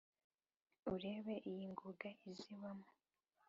Urebe iy‘ingoga izibamo,